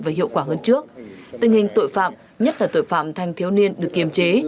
và hiệu quả hơn trước tình hình tội phạm nhất là tội phạm thanh thiếu niên được kiềm chế